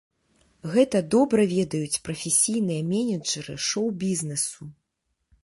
Гэта добра ведаюць прафесійныя менеджэры шоу-бізнесу.